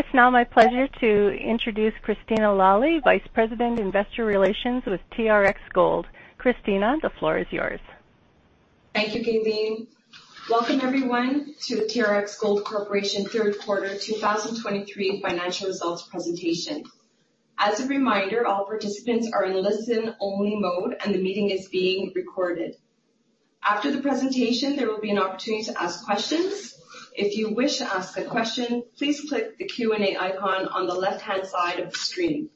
It's now my pleasure to introduce Christina Lalli, Vice President, Investor Relations with TRX Gold. Christina, the floor is yours. Thank you, Nadine. Welcome, everyone, to the TRX Gold Corporation third quarter 2023 financial results presentation. As a reminder, all participants are in listen-only mode, and the meeting is being recorded. After the presentation, there will be an opportunity to ask questions. If you wish to ask a question, please click the Q&A icon on the left-hand side of the screen.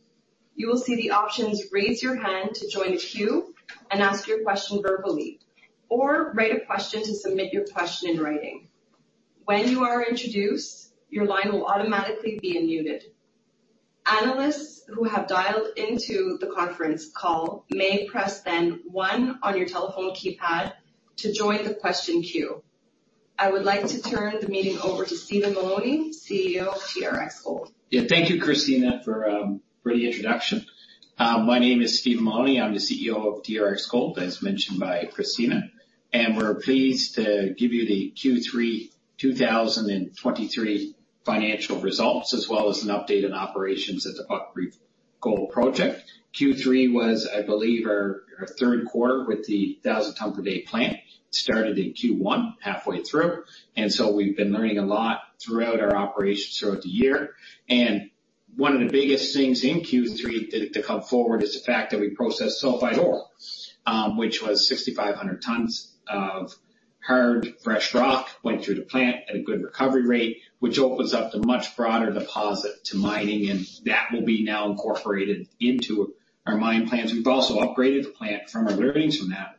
You will see the options: raise your hand to join the queue and ask your question verbally, or write a question to submit your question in writing. When you are introduced, your line will automatically be unmuted. Analysts who have dialed into the conference call may press then one on your telephone keypad to join the question queue. I would like to turn the meeting over to Stephen Mullowney, CEO of TRX Gold. Thank you, Christina, for the introduction. My name is Stephen Mullowney. I'm the CEO of TRX Gold, as mentioned by Christina, we're pleased to give you the Q3 2023 financial results, as well as an update on operations at the Buckreef Gold Project. Q3 was, I believe, our third quarter with the 1,000 tons per day plant, started in Q1, halfway through, we've been learning a lot throughout our operations throughout the year. One of the biggest things in Q3 to come forward is the fact that we processed sulfide ore, which was 6,500 tons of hard, fresh rock, went through the plant at a good recovery rate, which opens up the much broader deposit to mining, that will be now incorporated into our mine plans. We've also upgraded the plant from our learnings from that.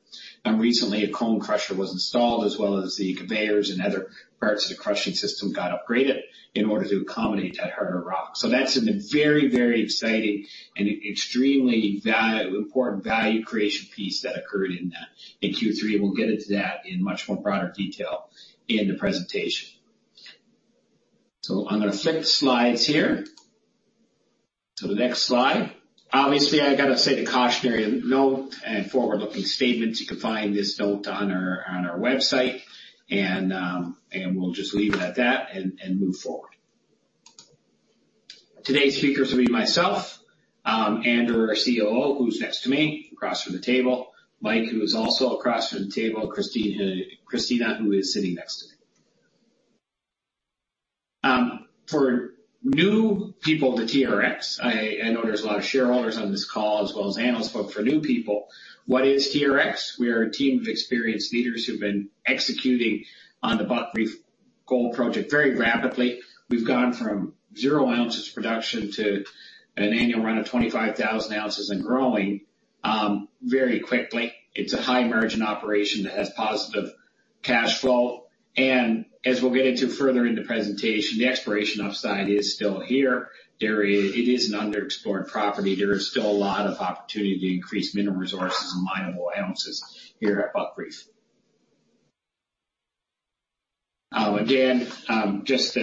Recently, a cone crusher was installed, as well as the conveyors and other parts of the crushing system got upgraded in order to accommodate that harder rock. That's been a very, very exciting and extremely important value creation piece that occurred in that, in Q3, and we'll get into that in much more broader detail in the presentation. I'm gonna flip the slides here. To the next slide. Obviously, I got to say the cautionary note and forward-looking statements. You can find this note on our website, and we'll just leave it at that and move forward. Today's speakers will be myself, Andrew, our COO, who's next to me across from the table, Mike, who is also across from the table, Christina, who is sitting next to me. For new people to TRX, I know there's a lot of shareholders on this call as well as analysts, but for new people, what is TRX? We are a team of experienced leaders who've been executing on the Buckreef Gold Project very rapidly. We've gone from 0 ounces production to an annual run of 25,000 ounces and growing very quickly. It's a high-margin operation that has positive cash flow, and as we'll get into further in the presentation, the exploration upside is still here. It is an underexplored property. There is still a lot of opportunity to increase mineral resources and minable ounces here at Buckreef. Again, as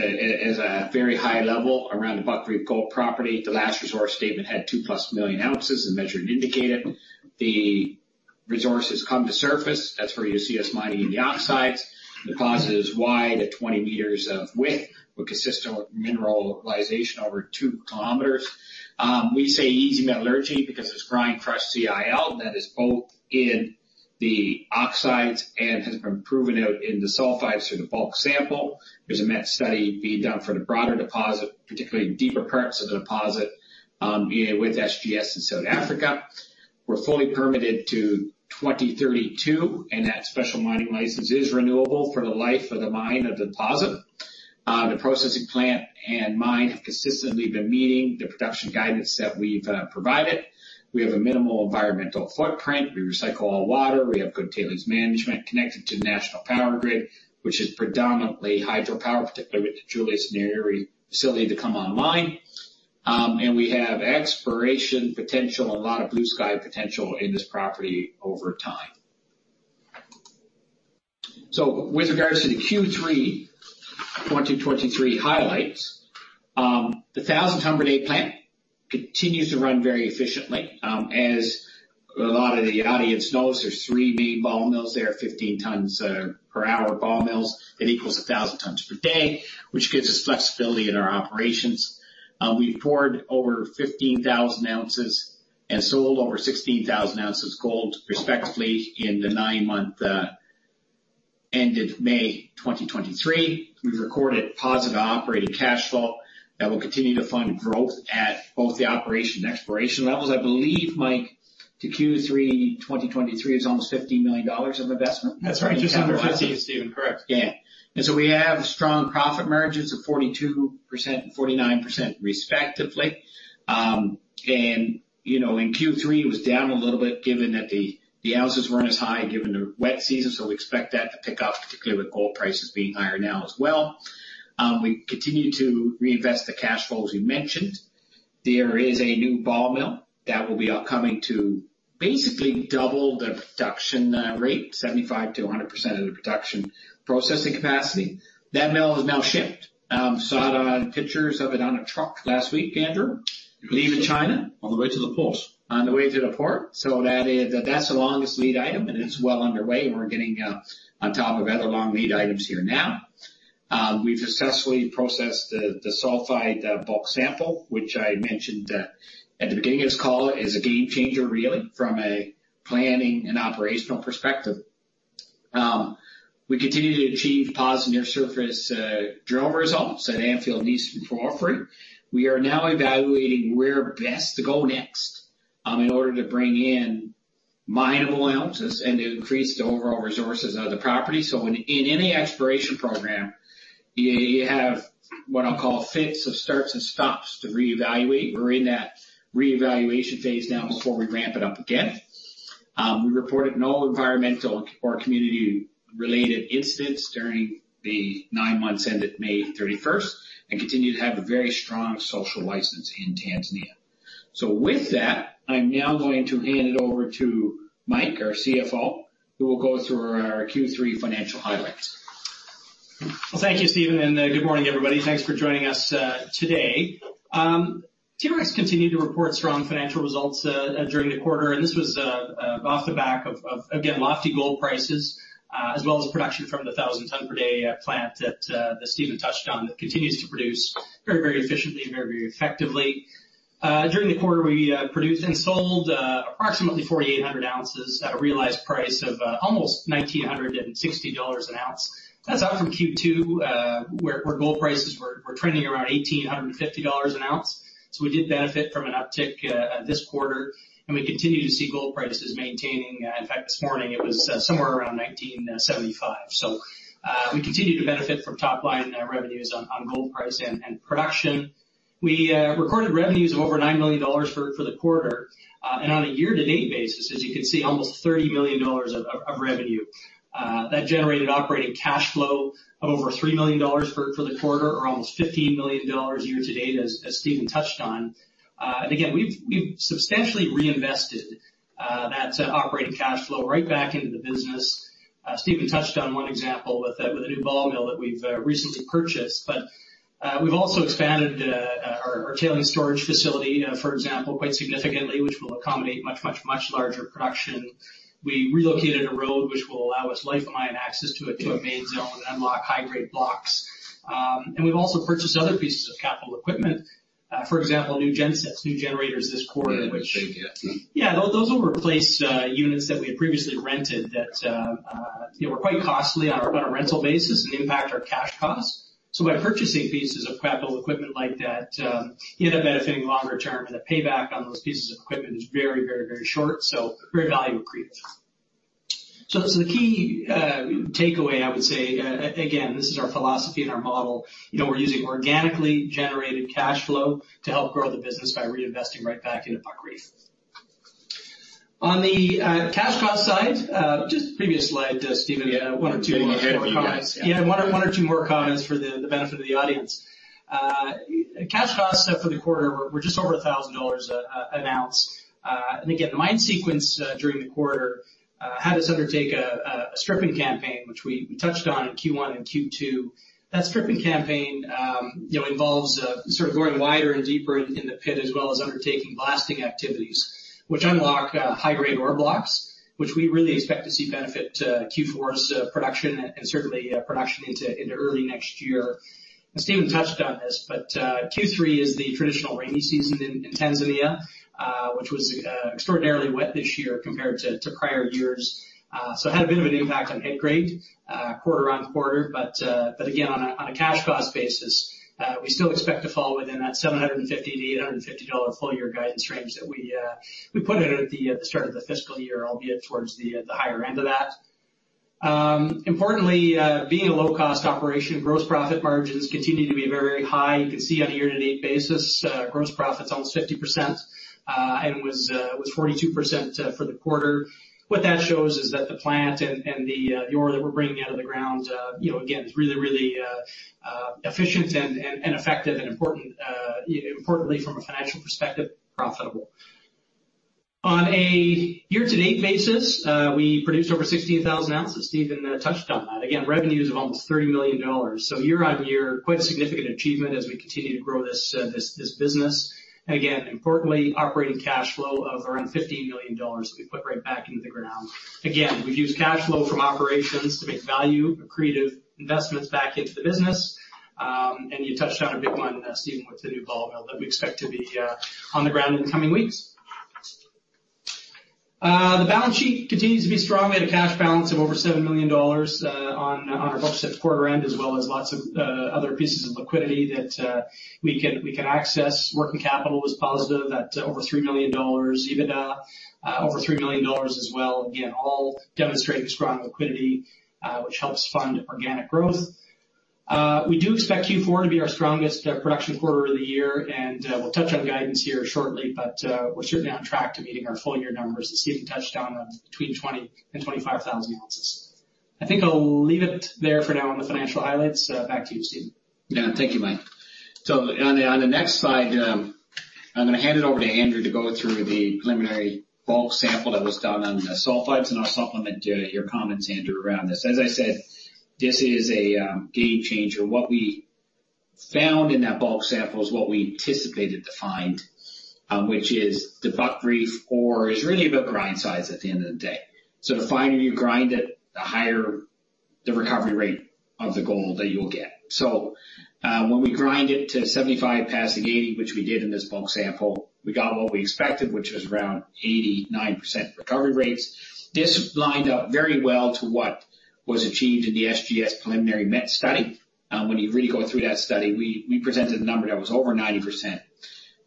a very high level around the Buckreef Gold Property, the last resource statement had 2+ million ounces in measured and indicated. The resources come to surface, that's where you see us mining the oxides. Deposit is wide at 20 meters of width, with consistent mineralization over 2 kilometers. We say easy metallurgy because it's grind fresh CIL, that is both in the oxides and has been proven out in the sulfides through the bulk sample. There's a metallurgical study being done for the broader deposit, particularly deeper parts of the deposit, being with SGS in South Africa. We're fully permitted to 2032, that Special Mining License is renewable for the life of the mine of the deposit. The processing plant and mine have consistently been meeting the production guidance that we've provided. We have a minimal environmental footprint. We recycle all water. We have good tailings management connected to the national power grid, which is predominantly hydropower, particularly with the Julius Nyerere facility to come online. We have exploration potential and a lot of blue-sky potential in this property over time. With regards to the Q3 2023 highlights, the 1,000 ton per day plant continues to run very efficiently. As a lot of the audience knows, there's 3 main ball mills there, 15 tons per hour ball mills. That equals 1,000 tons per day, which gives us flexibility in our operations. We've poured over 15,000 ounces and sold over 16,000 ounces gold, respectively, in the 9-month end of May 2023. We've recorded positive operating cash flow that will continue to fund growth at both the operation and exploration levels. I believe, Mike, to Q3 2023, it's almost $50 million of investment? That's right, just under 50, Stephen. Correct. Yeah. We have strong profit margins of 42% and 49% respectively. You know, in Q3, it was down a little bit, given that the ounces weren't as high, given the wet season, so we expect that to pick up, particularly with gold prices being higher now as well. We continue to reinvest the cash flow, as we mentioned. There is a new ball mill that will be upcoming to basically double the production rate, 75%–100% of the production processing capacity. That mill is now shipped. Saw the pictures of it on a truck last week, Andrew, leaving China? On the way to the port. On the way to the port. That is, that's the longest lead item, and it's well underway, and we're getting on top of other long lead items here now. We've successfully processed the sulfide bulk sample, which I mentioned at the beginning of this call, is a game changer, really, from a planning and operational perspective. We continue to achieve positive near-surface drill results at Anfield East and Mwafweli. We are now evaluating where best to go next in order to bring in mineable ounces and to increase the overall resources of the property. In any exploration program, you have what I'll call fits of starts and stops to reevaluate. We're in that reevaluation phase now before we ramp it up again. We reported no environmental or community-related incidents during the nine months ended May 31st, and continue to have a very strong social license in Tanzania. With that, I'm now going to hand it over to Mike, our CFO, who will go through our Q3 financial highlights. Thank you, Stephen, good morning, everybody. Thanks for joining us today. TRX continued to report strong financial results during the quarter, and this was off the back of, again, lofty gold prices, as well as production from the 1,000 ton per day plant that Stephen touched on, that continues to produce very, very efficiently and very, very effectively. During the quarter, we produced and sold approximately 4,800 ounces at a realized price of almost $1,960 an ounce. That's up from Q2, where gold prices were trending around $1,850 an ounce. We did benefit from an uptick this quarter, and we continue to see gold prices maintaining. In fact, this morning it was somewhere around $1,975. We continue to benefit from top line revenues on gold price and production. We recorded revenues of over $9 million for the quarter. On a year-to-date basis, as you can see, almost $30 million of revenue. That generated operating cash flow of over $3 million for the quarter, or almost $15 million year to date, as Stephen touched on. Again, we've substantially reinvested that operating cash flow right back into the business. Stephen touched on one example with the new ball mill that we've recently purchased, we've also expanded our tailing storage facility, for example, quite significantly, which will accommodate much larger production. We relocated a road which will allow us life of mine access to a main zone and unlock high-grade blocks. We've also purchased other pieces of capital equipment, for example, new gen sets, new generators this quarter, which- Yeah. Yeah, those will replace units that we had previously rented that, you know, were quite costly on a rental basis and impact our cash costs. By purchasing pieces of capital equipment like that, you end up benefiting longer term, and the payback on those pieces of equipment is very, very, very short. Very value accretive. The key takeaway, I would say, again, this is our philosophy and our model, you know, we're using organically generated cash flow to help grow the business by reinvesting right back into Buckreef. On the cash cost side, just the previous slide, Stephen, one or two more comments. Yeah. Yeah, one or two more comments for the benefit of the audience. Cash costs for the quarter were just over $1,000 an ounce. Again, the mine sequence during the quarter had us undertake a stripping campaign, which we touched on in Q1 and Q2. That stripping campaign, you know, involves sort of going wider and deeper in the pit, as well as undertaking blasting activities, which unlock high-grade ore blocks, which we really expect to see benefit Q4's production and certainly production into early next year. Stephen touched on this, but Q3 is the traditional rainy season in Tanzania, which was extraordinarily wet this year compared to prior years. It had a bit of an impact on pit grade, quarter on quarter. Again, on a cash cost basis, we still expect to fall within that $750-$850 full year guidance range that we put in at the start of the fiscal year, albeit towards the higher end of that. Importantly, being a low-cost operation, gross profit margins continue to be very high. You can see on a year-to-date basis, gross profit's almost 50%, and was 42% for the quarter. What that shows is that the plant and the ore that we're bringing out of the ground, you know, again, is really efficient and effective and importantly, from a financial perspective, profitable. On a year-to-date basis, we produced over 16,000 ounces. Stephen touched on that. Again, revenues of almost $30 million. Year-on-year, quite a significant achievement as we continue to grow this business. Again, importantly, operating cash flow of around $15 million that we put right back into the ground. Again, we've used cash flow from operations to make value, accretive investments back into the business. You touched on a big one, Stephen, with the new ball mill that we expect to be on the ground in the coming weeks. The balance sheet continues to be strong. We had a cash balance of over $7 million on our books at quarter end, as well as lots of other pieces of liquidity that we can access. Working capital was positive at over $3 million, EBITDA over $3 million as well. Again, all demonstrating strong liquidity, which helps fund organic growth. We do expect Q4 to be our strongest production quarter of the year, and we'll touch on guidance here shortly, but we're certainly on track to meeting our full year numbers, as Stephen touched on, of between 20,000 and 25,000 ounces. I think I'll leave it there for now on the financial highlights. Back to you, Stephen. Yeah. Thank you, Mike. On the, on the next slide, I'm going to hand it over to Andrew to go through the preliminary bulk sample that was done on the sulfides, and I'll supplement your comments, Andrew, around this. As I said, this is a game changer. What we found in that bulk sample is what we anticipated to find, which is the Buckreef ore is really about grind size at the end of the day. The finer you grind it, the higher the recovery rate of the gold that you'll get. When we grind it to 75 passing 80, which we did in this bulk sample, we got what we expected, which was around 89% recovery rates. This lined up very well to what was achieved in the SGS preliminary MET study. When you really go through that study, we presented a number that was over 90%.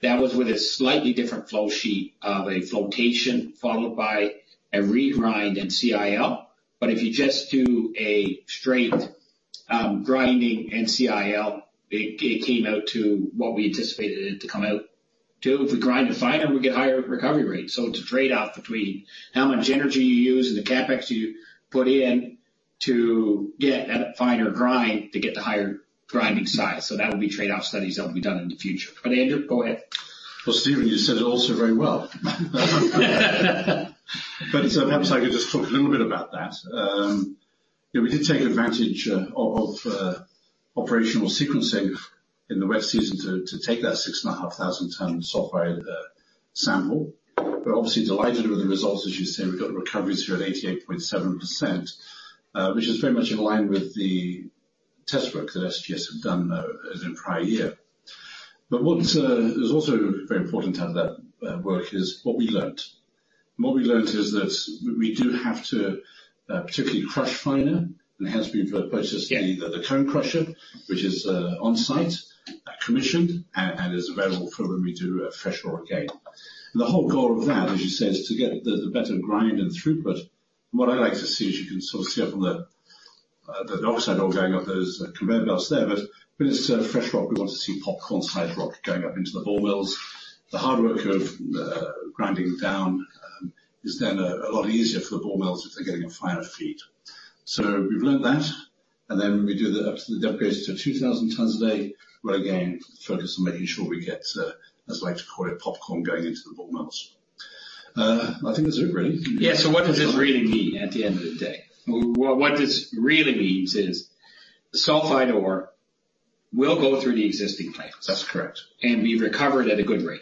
That was with a slightly different flow sheet of a flotation, followed by a regrind and CIL. If you just do a straight grinding and CIL, it came out to what we anticipated it to come out to. If we grind it finer, we get higher recovery rates. It's a trade-off between how much energy you use and the CapEx you put in to get that finer grind to get the higher grinding size. That would be trade-off studies that will be done in the future. Andrew, go ahead. Well, Stephen, you said it also very well. Perhaps I could just talk a little bit about that. Yeah, we did take advantage of operational sequencing in the wet season to take that 6,500 tons sulfide sample. We're obviously delighted with the results. As you say, we've got the recoveries here at 88.7%, which is very much in line with the test work that SGS have done in prior year. What's also very important to have that work is what we learned. What we learned is that we do have to particularly crush finer, and hence we've purchased the cone crusher, which is on site, commissioned, and is available for when we do a fresh ore again. The whole goal of that, as you said, is to get the better grind and throughput. What I like to see is, you can sort of see it from the oxide ore going up those conveyor belts there, but when it's fresh rock, we want to see popcorn size rock going up into the ball mills. The hard work of grinding it down is then a lot easier for the ball mills if they're getting a finer feed. We've learned that, we do the upgrades to 2,000 tons a day, where again, focus on making sure we get, as I like to call it, popcorn going into the ball mills. I think that's it, really. Yeah. What does this really mean at the end of the day? What this really means is sulfide ore will go through the existing plants. That's correct. Be recovered at a good rate.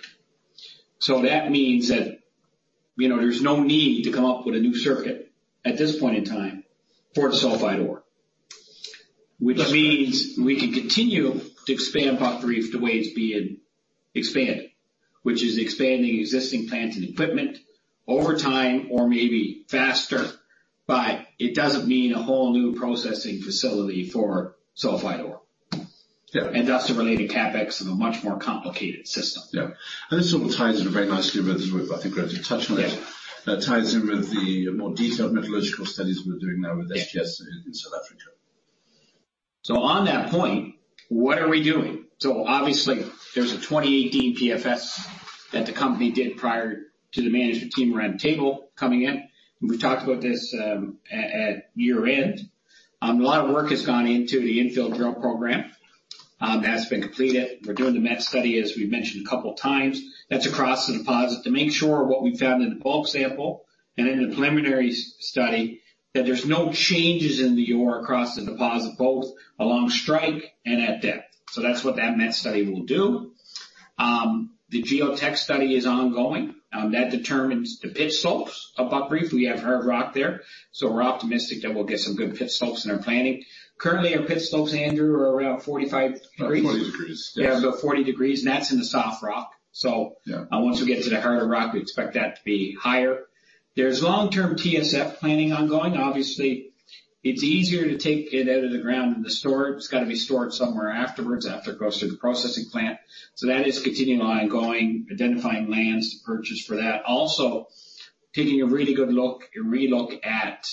That means that, you know, there's no need to come up with a new circuit at this point in time for the sulfide ore. Which means we can continue to expand Buckreef the way it's being expanded, which is expanding existing plants and equipment over time or maybe faster, but it doesn't mean a whole new processing facility for sulfide ore. Yeah. Thus the related CapEx is a much more complicated system. Yeah. This all ties in very nicely with, I think we have to touch on it. Yeah. That ties in with the more detailed metallurgical studies we're doing now. Yeah SGS in South Africa. On that point, what are we doing? Obviously, there's a 2018 PFS that the company did prior to the management team round table coming in. We've talked about this at year end. A lot of work has gone into the infill drill program. That's been completed. We're doing the MET study, as we've mentioned a couple of times. That's across the deposit to make sure what we found in the bulk sample and in the preliminary study, that there's no changes in the ore across the deposit, both along strike and at depth. That's what that MET study will do. The geotech study is ongoing. That determines the pit slopes. At Buckreef, we have hard rock there, so we're optimistic that we'll get some good pit slopes in our planning. Currently, our pit slopes, Andrew, are around 45 degrees. 40 degrees. Yeah, about 40 degrees, and that's in the soft rock. Yeah.... once we get to the harder rock, we expect that to be higher. There's long-term TSF planning ongoing. Obviously, it's easier to take it out of the ground than to store it. It's gotta be stored somewhere afterwards, after it goes through the processing plant. That is continuing ongoing, identifying lands to purchase for that. Also, taking a really good look, a re-look at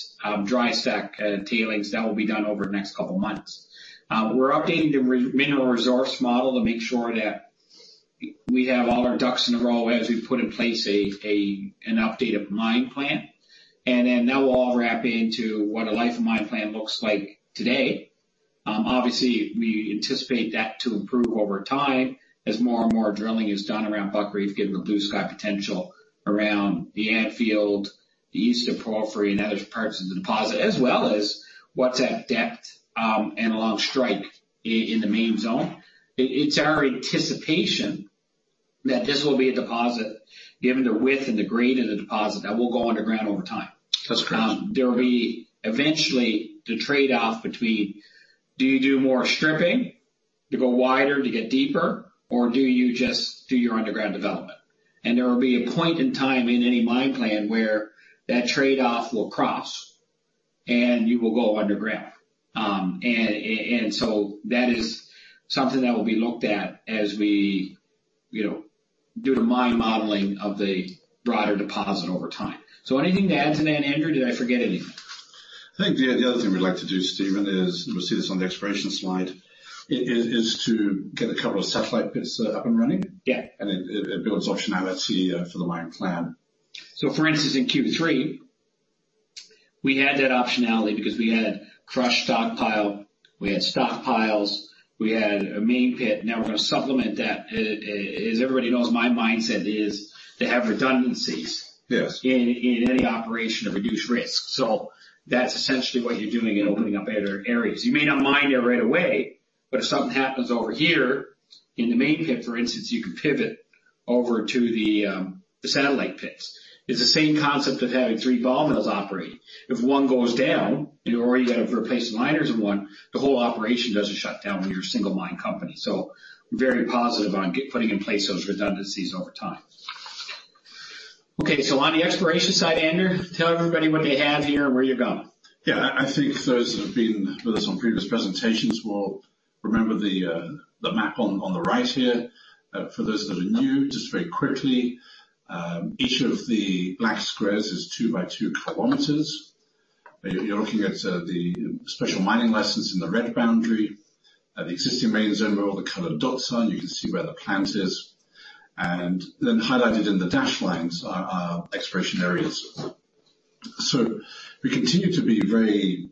dry stack tailings. That will be done over the next couple of months. We're updating the mineral resource model to make sure that we have all our ducks in a row as we put in place an updated mine plan. That will all wrap into what a life of mine plan looks like today. Obviously, we anticipate that to improve over time as more and more drilling is done around Buckreef, given the blue sky potential around the Anfield, the Eastern Porphyry and other parts of the deposit, as well as what's at depth, and along strike in the main zone. It's our anticipation that this will be a deposit, given the width and the grade of the deposit, that will go underground over time. That's correct. There will be eventually the trade-off between, do you do more stripping to go wider, to get deeper, or do you just do your underground development? There will be a point in time in any mine plan where that trade-off will cross, and you will go underground. That is something that will be looked at as we, you know, do the mine modeling of the broader deposit over time. Anything to add to that, Andrew? Did I forget anything? I think the other thing we'd like to do, Stephen, is, and we'll see this on the exploration slide, is to get a couple of satellite pits up and running. Yeah. It builds optionality for the mine plan. For instance, in Q3, we had that optionality because we had crushed stockpile, we had stockpiles, we had a main pit. Now we're gonna supplement that. As everybody knows, my mindset is to have redundancies. Yes in any operation to reduce risk. That's essentially what you're doing in opening up other areas. You may not mine there right away, but if something happens over here in the main pit, for instance, you can pivot over to the satellite pits. It's the same concept of having three ball mills operating. If one goes down, and you've already got to replace the liners in one, the whole operation doesn't shut down when you're a single mine company. We're very positive on putting in place those redundancies over time. Okay, on the exploration side, Andrew, tell everybody what they have here and where you're going. I think those that have been with us on previous presentations will remember the map on the right here. For those that are new, just very quickly, each of the black squares is 2 by 2 kilometers. You're looking at the Special Mining License in the red boundary, at the existing main zone, where all the colored dots are, and you can see where the plant is. Highlighted in the dashed lines are our exploration areas. We continue to be very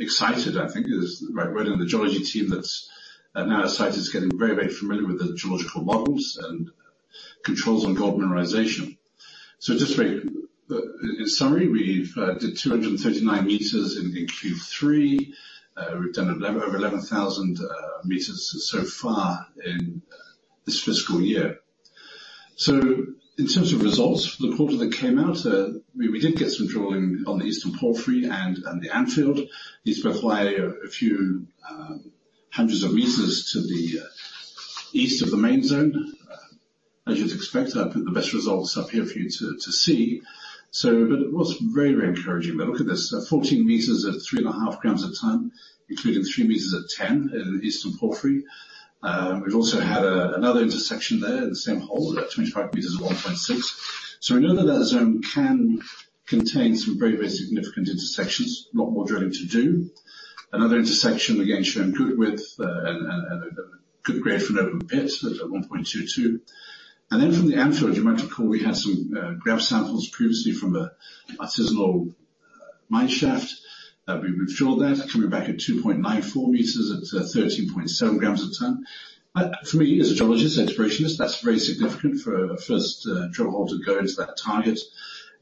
excited, I think, as right within the geology team that's now the site is getting very, very familiar with the geological models and controls on gold mineralization. Just very in summary, we've did 239 meters in Q3. We've done over 11,000 meters so far in this fiscal year. In terms of results for the quarter that came out, we did get some drilling on the Eastern Porphyry and on the Anfield. These are both way a few hundreds of meters to the east of the main zone. As you'd expect, I put the best results up here for you to see. It was very, very encouraging, but look at this, 14 meters at 3.5 grams a ton, including 3 meters at 10 in the Eastern Porphyry. We've also had another intersection there in the same hole, at 25 meters at 1.6. We know that that zone can contain some very, very significant intersections. A lot more drilling to do. Another intersection, again, shown good width, and good grade for an open pit, at 1.22. From the Anfield, you might recall, we had some grab samples previously from an artisanal mine shaft, we drilled that, coming back at 2.94 meters at 13.7 grams a ton. For me, as a geologist explorationist, that's very significant for a first drill hole to go into that target.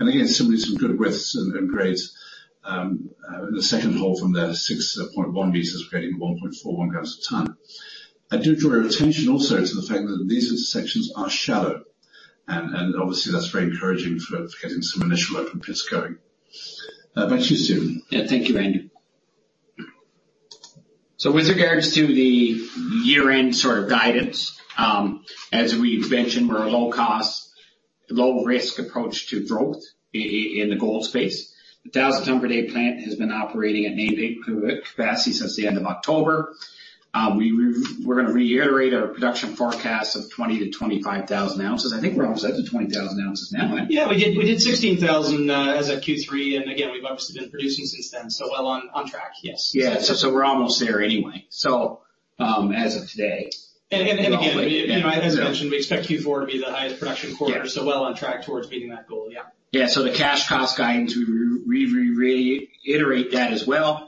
Again, simply some good widths and grades. The second hole from there, 6.1 meters, grading 1.41 grams a ton. I do draw your attention also to the fact that these intersections are shallow, and obviously, that's very encouraging for getting some initial open pits going. Back to you, Stephen. Yeah. Thank you, Andrew. With regards to the year-end sort of guidance, as we've mentioned, we're a low-cost, low-risk approach to growth in the gold space. The 1,000 ton per day plant has been operating at nameplate capacity since the end of October. We're gonna reiterate our production forecast of 20,000–25,000 ounces. I think we're almost up to 20,000 ounces now, right? Yeah, we did 16,000 as of Q3, again, we've obviously been producing since then, well on track, yes. Yeah. We're almost there anyway. Again, you know, as I mentioned, we expect Q4 to be the highest production quarter. Yeah. Well on track towards meeting that goal, yeah. Yeah, the cash cost guidance, we reiterate that as well.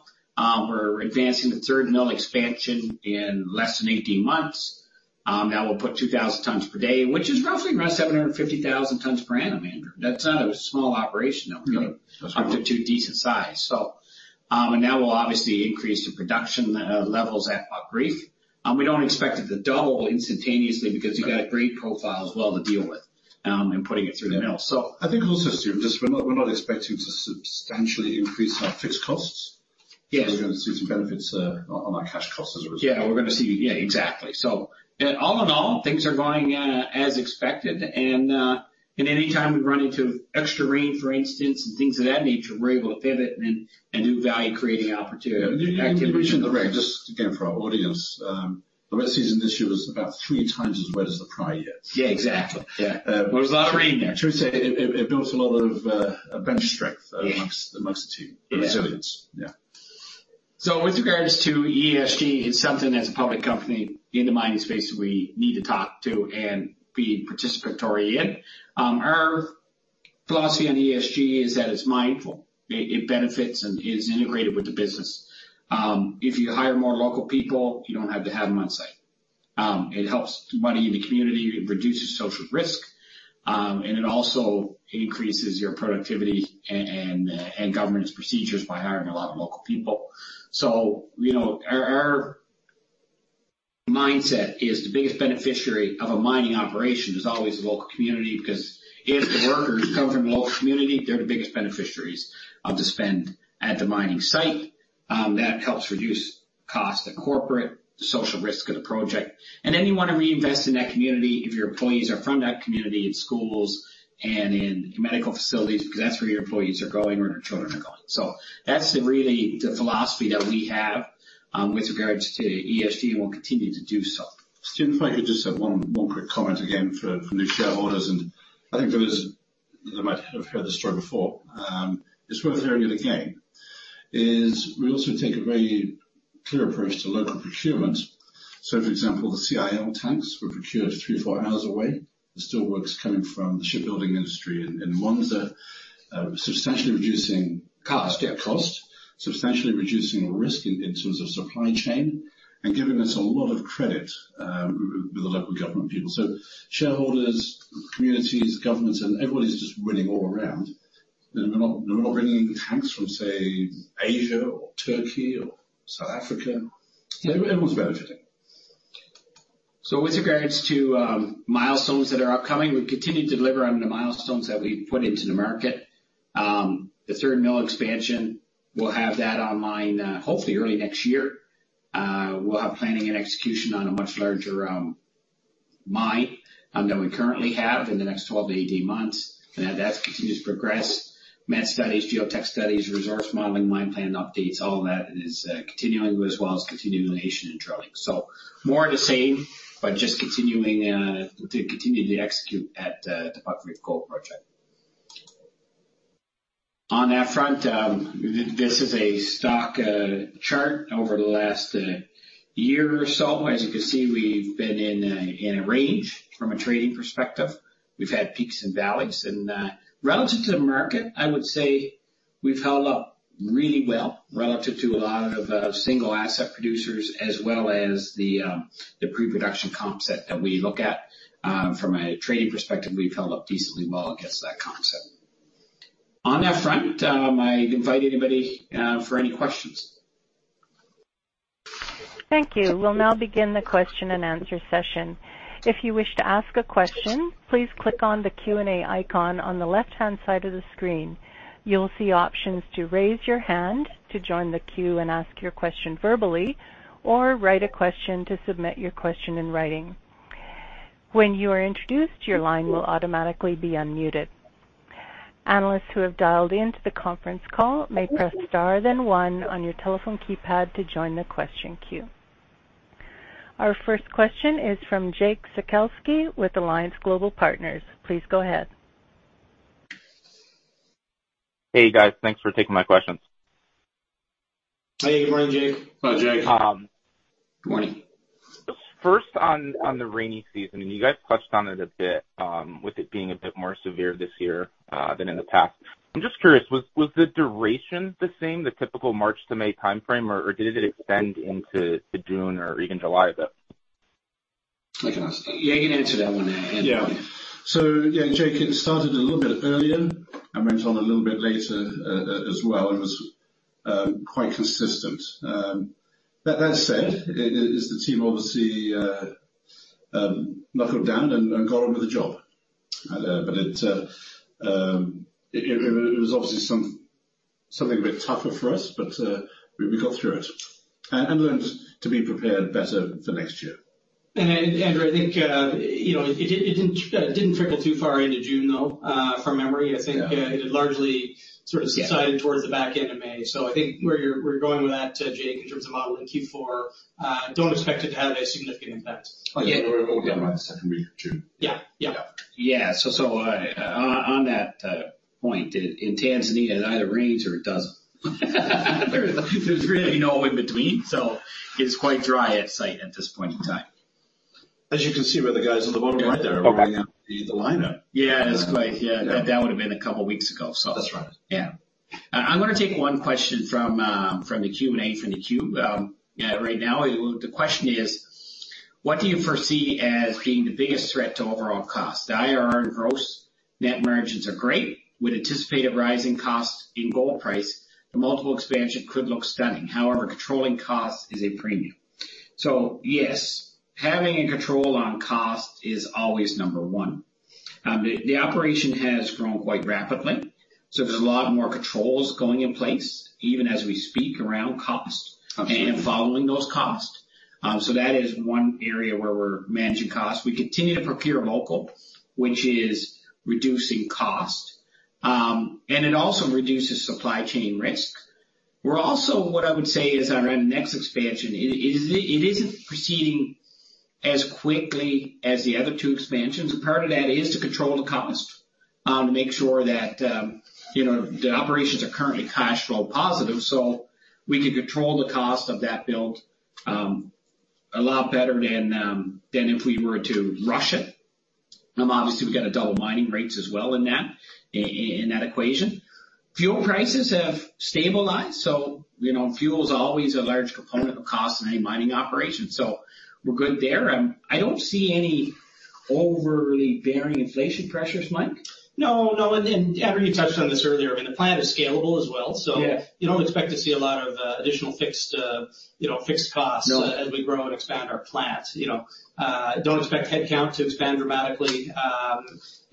We're advancing the third mill expansion in less than 18 months. That will put 2,000 tons per day, which is roughly around 750,000 tons per annum, Andrew. That's not a small operation that we're doing. No. Up to two decent size. That will obviously increase the production levels at Buckreef. We don't expect it to double instantaneously because you got a grade profile as well to deal with in putting it through the mill. I think also, Stephen, just we're not expecting to substantially increase our fixed costs. Yes. We're going to see some benefits on our cash costs as a result. Yeah, we're going to see. Yeah, exactly. All in all, things are going as expected, and any time we run into extra rain, for instance, and things of that nature, we're able to pivot and do value-creating opportunity, activity. You mentioned the rain, just again, for our audience, the wet season this year was about 3 times as wet as the prior years. Yeah, exactly. Yeah. It was a lot of rain there. Truth is, it builds a lot of bench strength. Yeah amongst the team. Yeah. Resilience. Yeah. With regards to ESG, it's something that as a public company in the mining space, we need to talk to and be participatory in. Our philosophy on ESG is that it's mindful, it benefits and is integrated with the business. If you hire more local people, you don't have to have them on site. It helps the money in the community, it reduces social risk, and it also increases your productivity and governance procedures by hiring a lot of local people. You know, our mindset is the biggest beneficiary of a mining operation is always the local community, because if the workers come from the local community, they're the biggest beneficiaries of the spend at the mining site. That helps reduce cost to corporate, the social risk of the project. Then you want to reinvest in that community if your employees are from that community, in schools and in medical facilities, because that's where your employees are going, where their children are going. That's really the philosophy that we have with regards to ESG, and we'll continue to do so. Stephen, if I could just have one quick comment again for new shareholders, and I think for those that might have heard the story before, it's worth hearing it again, is we also take a very clear approach to local procurement. For example, the CIL tanks were procured 3 or 4 hours away. The steelworks coming from the shipbuilding industry, and the ones that substantially reducing- Cost, yeah. Cost. Substantially reducing risk in terms of supply chain and giving us a lot of credit with the local government people. Shareholders, communities, governments, and everybody's just winning all around. We're not bringing tanks from, say, Asia or Turkey or South Africa. Everyone's benefiting. With regards to milestones that are upcoming, we've continued to deliver on the milestones that we put into the market. The third mill expansion, we'll have that online hopefully early next year. We'll have planning and execution on a much larger mine than we currently have in the next 12-18 months, and as that continues to progress, mat studies, geotech studies, resource modeling, mine plan updates, all of that is continuing, as well as continuation and drilling. More of the same, but just continuing to execute at the Buckreef Gold Project. On that front, this is a stock chart over the last year or so. As you can see, we've been in a range from a trading perspective. We've had peaks and valleys, and relative to the market, I would say we've held up really well relative to a lot of single asset producers, as well as the pre-production comp set that we look at. From a trading perspective, we've held up decently well against that comp set. On that front, I invite anybody for any questions. Thank you. We'll now begin the question and answer session. If you wish to ask a question, please click on the Q&A icon on the left-hand side of the screen. You'll see options to raise your hand to join the queue and ask your question verbally, or write a question to submit your question in writing. When you are introduced, your line will automatically be unmuted. Analysts who have dialed in to the conference call may press Star, then one on your telephone keypad to join the question queue. Our first question is from Jake Sekelsky with Alliance Global Partners. Please go ahead. Hey, guys. Thanks for taking my questions. Hey, good morning, Jake. Hi, Jake. Good morning. First, on the rainy season, you guys touched on it a bit, with it being a bit more severe this year, than in the past. I'm just curious, was the duration the same, the typical March to May timeframe, or did it extend into June or even July a bit? I can ask. Yeah, you can answer that one, Andrew. Yeah, Jake, it started a little bit earlier and went on a little bit later as well, and was quite consistent. That said, as the team obviously knuckled down and got on with the job. It was obviously something a bit tougher for us, but we got through it and learned to be prepared better for next year. Andrew, I think, you know, It didn't trickle too far into June, though, from memory. Yeah. I think, it largely. Yeah subsided towards the back end of May. I think where we're going with that, Jake, in terms of modeling Q4, don't expect it to have a significant impact. Oh, yeah. We're only about the second week of June. Yeah. Yeah. Yeah. Yeah, so on that point, did it. In Tanzania, it either rains or it doesn't. There's really no in between. It's quite dry at site at this point in time. As you can see, by the guys on the bottom right there, the lineup. Yeah. Yeah, it's quite. Yeah. That would've been a couple weeks ago. That's right. Yeah. I'm gonna take one question from the Q&A, from the queue. Yeah, right now, the question is: What do you foresee as being the biggest threat to overall cost? The IRR gross net margins are great. With anticipated rising costs in gold price, the multiple expansion could look stunning. Controlling costs is a premium. Yes, having a control on cost is always number one. The operation has grown quite rapidly, there's a lot more controls going in place, even as we speak, around cost- Absolutely - and following those costs. That is one area where we're managing costs. We continue to procure local, which is reducing cost, and it also reduces supply chain risk. We're also, what I would say is, on our next expansion, it isn't proceeding as quickly as the other two expansions. Part of that is to control the cost, to make sure that, you know, the operations are currently cash flow positive, so we can control the cost of that build a lot better than than if we were to rush it. Obviously, we've got to double mining rates as well in that equation. Fuel prices have stabilized, so, you know, fuel's always a large component of cost in any mining operation. We're good there. I don't see any overly bearing inflation pressures, Mike? No, Andrew, you touched on this earlier, I mean, the plant is scalable as well. Yeah You don't expect to see a lot of, additional fixed, you know, fixed costs. No as we grow and expand our plant. You know, don't expect headcount to expand dramatically.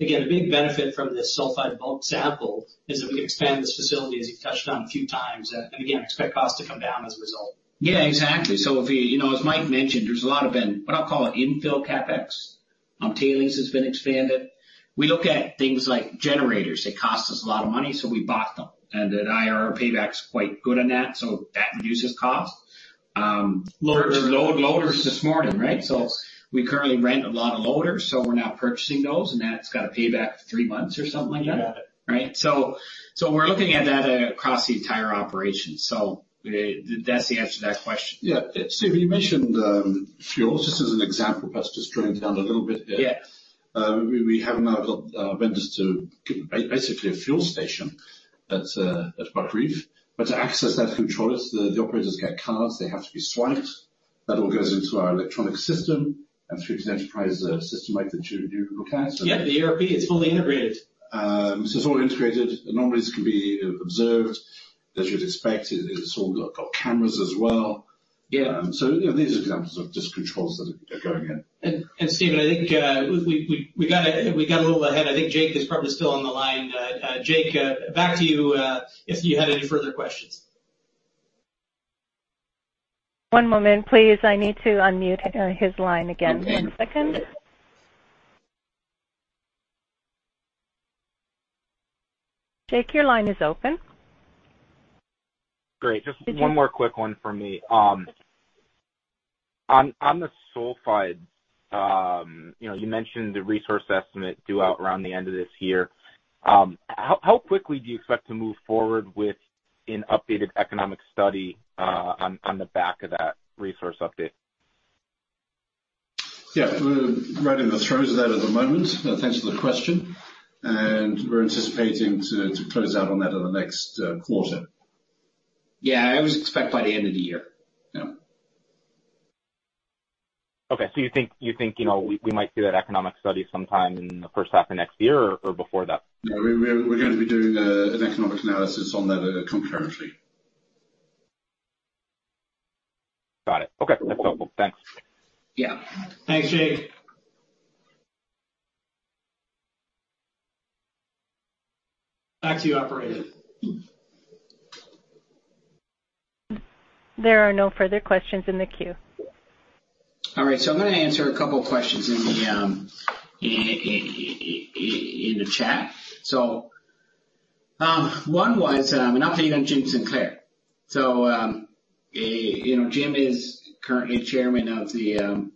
Again, a big benefit from this sulfide bulk sample is that we expand this facility, as you've touched on a few times, and again, expect costs to come down as a result. Yeah, exactly. You know, as Mike mentioned, there's a lot of been, what I'll call it, infill CapEx. Tailings has been expanded. We look at things like generators. They cost us a lot of money, so we bought them, and the IRR payback's quite good on that, so that reduces cost. Loaders. Loaders this morning, right? We currently rent a lot of loaders, so we're now purchasing those, and that's got a payback of three months or something like that. Yeah. Right? We're looking at that across the entire operation. That's the answer to that question. Yeah. You mentioned fuels, just as an example, just to drill down a little bit here. Yeah. We have now got vendors basically, a fuel station at Buckreef. To access that controllers, the operators get cards, they have to be swiped. That all goes into our electronic system and through to the enterprise system like that you look at? Yeah, the ERP, it's fully integrated. It's all integrated. Anomalies can be observed. As you'd expect, it's all got cameras as well. Yeah. you know, these are examples of just controls that are going in. Stephen, I think we gotta move ahead. I think Jake is probably still on the line. Jake, back to you, if you had any further questions. One moment, please. I need to unmute his line again. One second. Jake, your line is open. Great. Just one more quick one for me. On the sulfide, you know, you mentioned the resource estimate due out around the end of this year. How quickly do you expect to move forward with an updated economic study on the back of that resource update? Yeah, we're right in the throes of that at the moment. Thanks for the question. We're anticipating to close out on that in the next quarter. I always expect by the end of the year. Yeah. Okay. you think, you know, we might see that economic study sometime in the first half of next year or before that? No, we're going to be doing an economic analysis on that concurrently. Got it. Okay, that's helpful. Thanks. Yeah. Thanks, Jake. Back to you, operator. There are no further questions in the queue. All right. I'm gonna answer a couple of questions in the chat. One was an update on Jim Sinclair. You know, Jim is currently chairman of the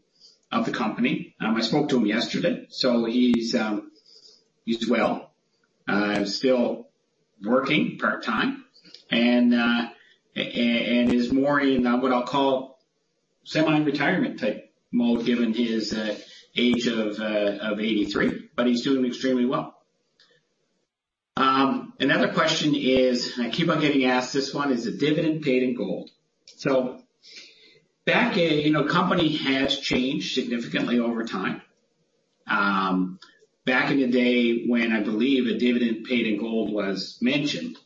company. I spoke to him yesterday, so he's well, still working part-time and is more in what I'll call semi-retirement type mode, given his age of 83, but he's doing extremely well. Another question is, and I keep on getting asked this one: Is the dividend paid in gold? Back in... You know, the company has changed significantly over time. Back in the day, when I believe a dividend paid in gold was mentioned,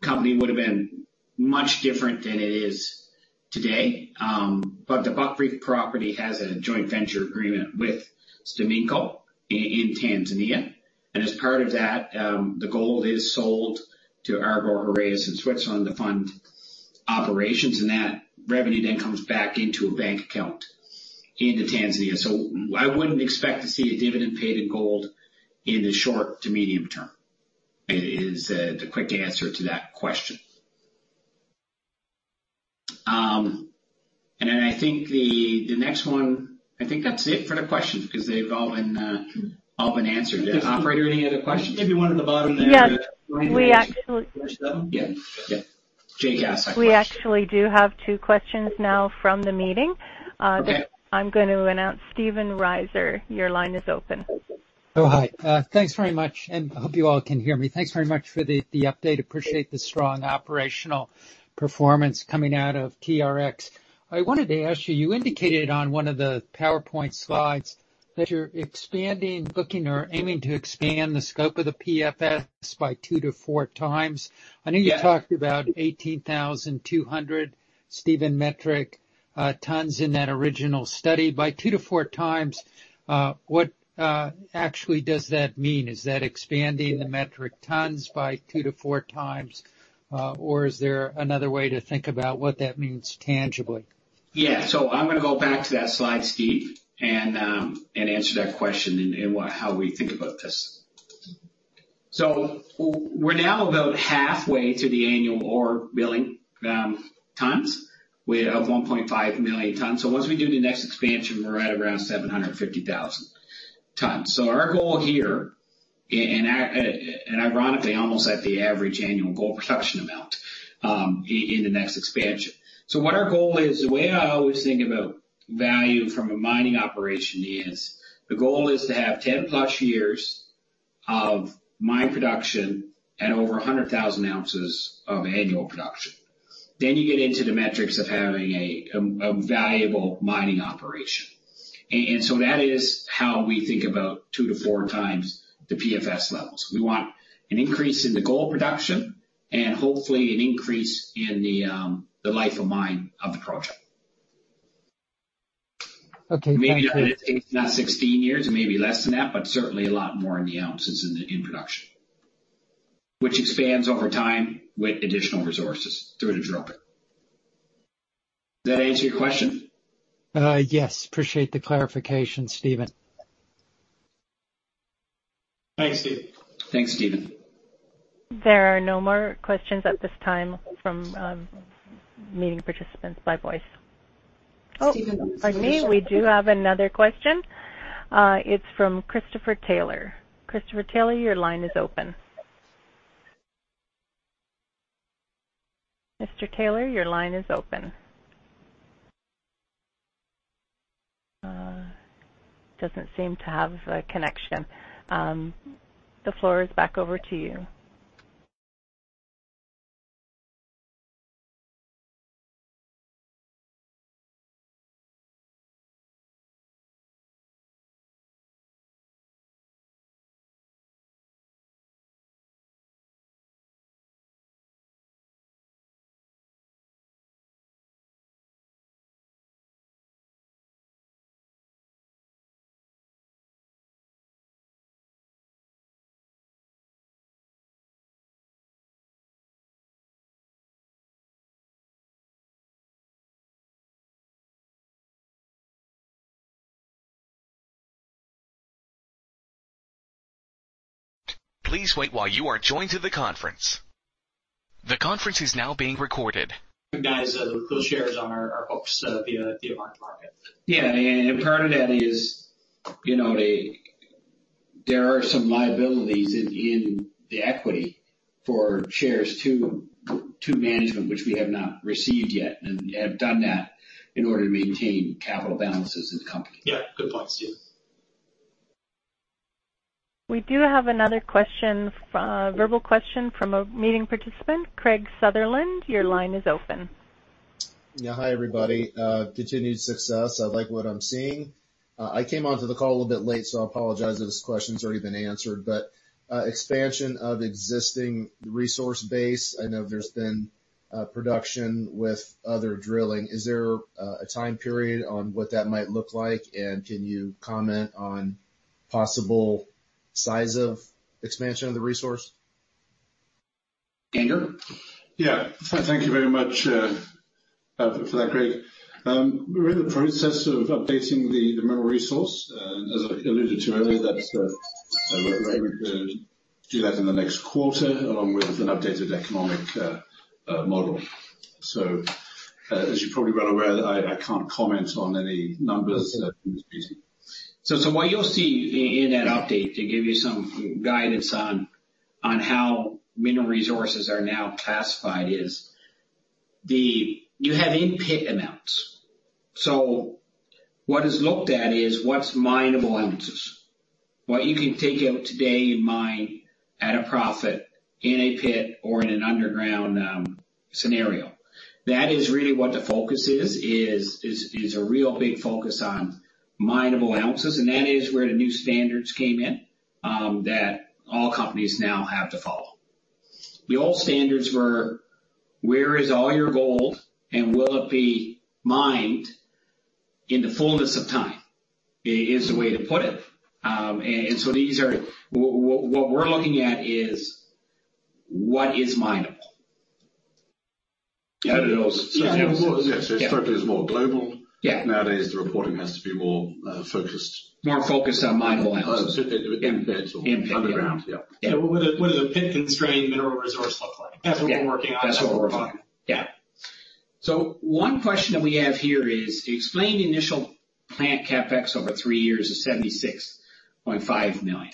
the company would have been much different than it is today. The Buckreef property has a joint venture agreement with STAMICO in Tanzania. As part of that, the gold is sold to Argor-Heraeus in Switzerland to fund operations. That revenue then comes back into a bank account into Tanzania. I wouldn't expect to see a dividend paid in gold in the short to medium term, is the quick answer to that question. I think the next one... I think that's it for the questions, because they've all been answered. Yes, operator, any other questions? Maybe one at the bottom there. Yes, we. Yeah. Yeah. Jake asked that question. We actually do have two questions now from the meeting. Okay. I'm going to announce Stephen Riser, your line is open. Oh, hi. Thanks very much, and I hope you all can hear me. Thanks very much for the update. Appreciate the strong operational performance coming out of TRX. I wanted to ask you indicated on one of the PowerPoint slides that you're expanding, looking or aiming to expand the scope of the PFS by 2–4x. Yeah. I know you talked about 18,200 Stephen metric tons in that original study. By 2–4x, what actually does that mean? Is that expanding the metric tons by 2–4x, or is there another way to think about what that means tangibly? I'm gonna go back to that slide, Steve, and answer that question and how we think about this. We're now about halfway to the annual ore billing tons.. We have 1.5 million tons. Once we do the next expansion, we're at around 750,000 tons. Our goal here, and ironically, almost at the average annual gold production amount in the next expansion. Our goal is, the way I always think about value from a mining operation is, the goal is to have 10+ years of mine production at over 100,000 ounces of annual production. You get into the metrics of having a valuable mining operation. That is how we think about 2–4x the PFS levels. We want an increase in the gold production and hopefully an increase in the life of mine of the project. Okay, thank you. Maybe not 8, not 16 years, maybe less than that, but certainly a lot more in the ounces in the, in production, which expands over time with additional resources through the drill bit. Does that answer your question? yes. Appreciate the clarification, Stephen. Thanks, Steve. Thanks, Stephen. There are no more questions at this time from meeting participants by voice. Oh, pardon me. We do have another question. It's from Christopher Taylor. Christopher Taylor, your line is open. Mr. Taylor, your line is open. Doesn't seem to have a connection. The floor is back over to you. Please wait while you are joined to the conference. The conference is now being recorded. Guys, those shares are folks, the market. Yeah, and part of that is, you know, There are some liabilities in the equity for shares to management, which we have not received yet, and have done that in order to maintain capital balances in the company. Yeah, good point, Stephen. We do have another question, verbal question from a meeting participant. Craig Sutherland, your line is open. Yeah. Hi, everybody. continued success. I like what I'm seeing. I came onto the call a little bit late, so I apologize if this question's already been answered, but, expansion of existing resource base, I know there's been, production with other drilling. Is there a time period on what that might look like? Can you comment on possible size of expansion of the resource? Andrew? Yeah. Thank you very much for that, Craig. We're in the process of updating the mineral resource, and as I alluded to earlier, that's do that in the next quarter, along with an updated economic model. As you're probably well aware, I can't comment on any numbers that... What you'll see in that update, to give you some guidance on how mineral resources are now classified, is the. You have in-pit amounts. What is looked at is what's mineable ounces. What you can take out today and mine at a profit, in a pit or in an underground scenario. That is really what the focus is a real big focus on mineable ounces, and that is where the new standards came in that all companies now have to follow. The old standards were, where is all your gold, and will it be mined in the fullness of time? Is a way to put it. These are. What we're looking at is what is mineable? Yeah, it's more global. Yeah. Nowadays, the reporting has to be more focused. More focused on mineable ounces. In pits. In-pit. Underground, yeah. Yeah. What does a pit-constrained mineral resource look like? That's what we're working on. That's what we're working on. Yeah. One question that we have here is, explain the initial plant CapEx over 3 years of $76.5 million.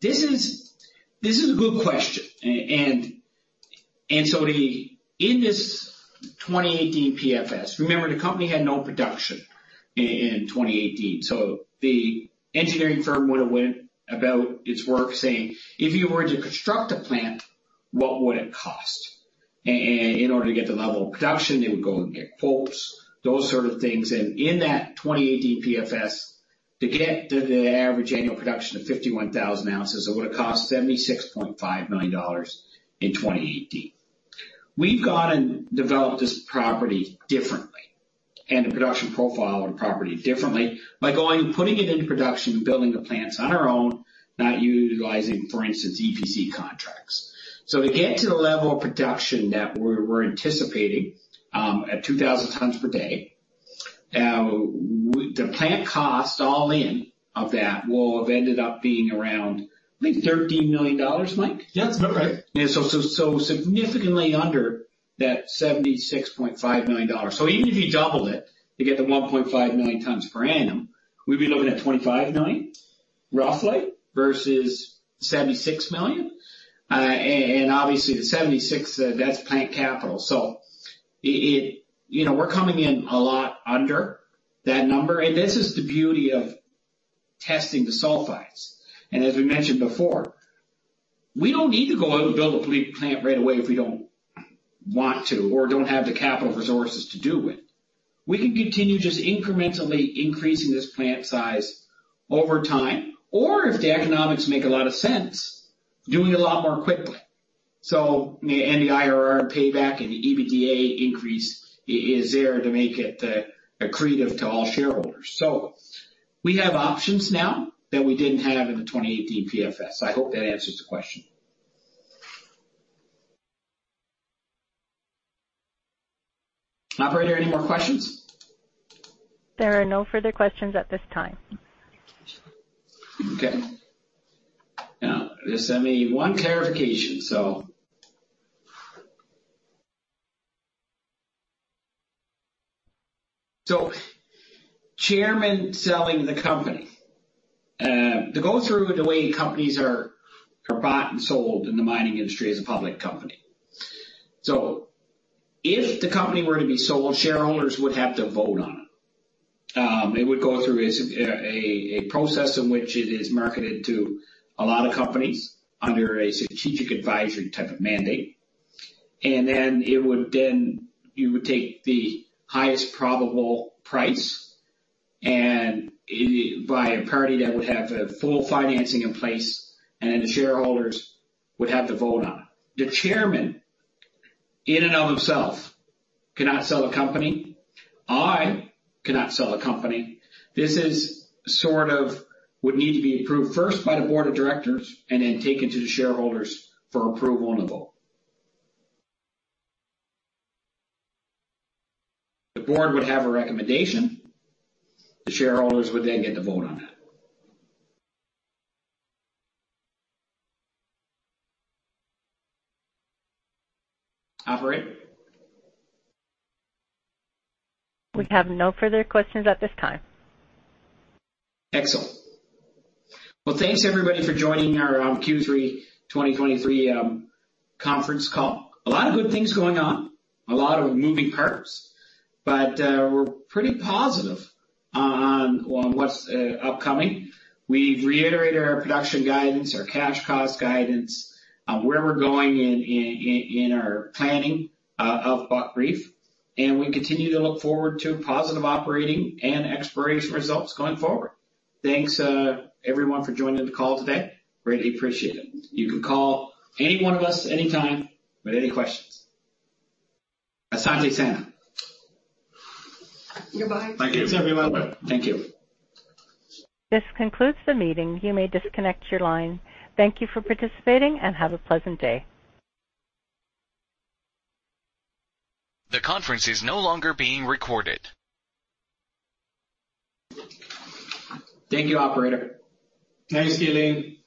This is a good question. In this 2018 PFS, remember, the company had no production in 2018, so the engineering firm would have went about its work saying, "If you were to construct a plant, what would it cost?" In order to get the level of production, they would go and get quotes, those sort of things. In that 2018 PFS, to get to the average annual production of 51,000 ounces, it would have cost $76.5 million in 2018. We've gone and developed this property differently, and the production profile on the property differently, by going and putting it into production and building the plants on our own, not utilizing, for instance, EPC contracts. To get to the level of production that we're anticipating, at 2,000 tons per day, the plant cost all in of that will have ended up being around, I think, $13 million, Mike? Yeah, that's about right. Significantly under that $76.5 million. Even if you doubled it to get the 1.5 million tons per annum, we'd be looking at $25 million, roughly, versus $76 million. And obviously, the $76 million, that's plant capital. You know, we're coming in a lot under that number. This is the beauty of testing the sulfides. As we mentioned before, we don't need to go out and build a complete plant right away if we don't want to or don't have the capital resources to do it. We can continue just incrementally increasing this plant size over time, or if the economics make a lot of sense, doing it a lot more quickly. The IRR payback and the EBITDA increase is there to make it accretive to all shareholders. We have options now that we didn't have in the 2018 PFS. I hope that answers the question. Operator, any more questions? There are no further questions at this time. Okay. Now, there's only one clarification, so. Chairman selling the company. To go through the way companies are bought and sold in the mining industry as a public company. If the company were to be sold, shareholders would have to vote on it. It would go through a process in which it is marketed to a lot of companies under a strategic advisory type of mandate. It would, you would take the highest probable price and by a party that would have a full financing in place, and then the shareholders would have to vote on it. The chairman, in and of himself, cannot sell the company. I cannot sell the company. This would need to be approved first by the board of directors and then taken to the shareholders for approval on the vote. The board would have a recommendation. The shareholders would then get to vote on that. Operator? We have no further questions at this time. Excellent. Well, thanks, everybody, for joining our Q3 2023 conference call. A lot of good things going on, a lot of moving parts, but, we're pretty positive on what's upcoming. We've reiterated our production guidance, our cash cost guidance, on where we're going in our planning of Buckreef. We continue to look forward to positive operating and exploration results going forward. Thanks, everyone, for joining the call today. Greatly appreciate it. You can call any one of us anytime with any questions. Asante sana. Goodbye. Thank you. Thanks, everyone. Thank you. This concludes the meeting. You may disconnect your line. Thank you for participating, and have a pleasant day. The conference is no longer being recorded. Thank you, Operator. Thanks, Elaine.